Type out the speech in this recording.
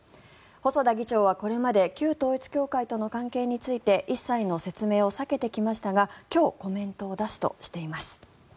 細田議長はこれまで旧統一教会との関係について一切の説明を避けてきましたが今日、コメントを出すとしています。